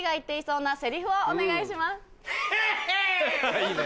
いいね。